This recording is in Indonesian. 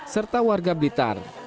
serta warga blitar